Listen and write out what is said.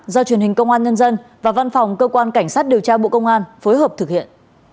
do truyền hình công an nhân dân và văn phòng cơ quan cảnh sát điều tra bộ công an phối hợp thực hiện